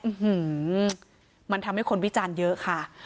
หือมันทำให้คนวิจารณ์เยอะค่ะ